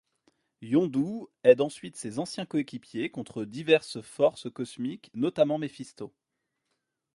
Yondu aide ensuite ses anciens coéquipiers contre diverses forces cosmiques, notamment Mephisto.